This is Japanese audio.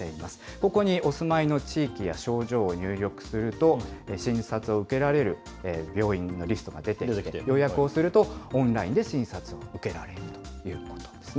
ここにお住まいの地域や症状を入力すると、診察を受けられる病院のリストが出てきて、予約をすると、オンラインで診察を受けられるということですね。